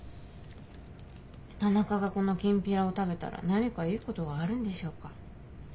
田中がこのキンピラを食べたら何かいいことがあるんでしょうか？